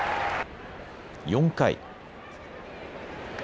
４回。